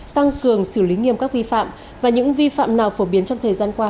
tăng cường xử lý nghiêm các vi phạm và những vi phạm nào phổ biến trong thời gian qua